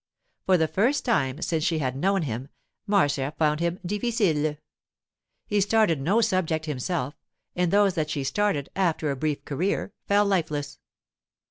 For the first time since she had known him, Marcia found him difficile. He started no subject himself, and those that she started, after a brief career, fell lifeless.